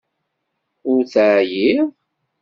Ur teɛyiḍ?